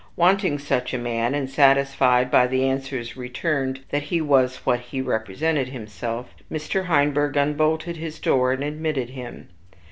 Wanting such a man, and satisfied by the answers returned that he was what he represented himself, Mr. Heinberg unbolted his door and admitted him.